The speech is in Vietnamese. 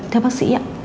theo bác sĩ ạ